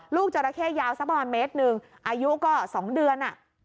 จราเข้ยาวสักประมาณเมตรหนึ่งอายุก็๒เดือน